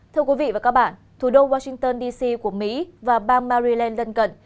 thưa quý vị và các bạn thủ đô washington dc của mỹ và bang maryland gần gần